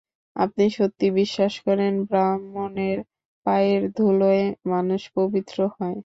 আপনি সত্যি বিশ্বাস করেন ব্রাহ্মণের পায়ের ধুলোয় মানুষ পবিত্র হয়?